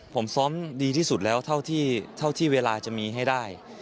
ผมซ้อมดีที่สุดแล้วเท่าที่เวลาจะมีให้ได้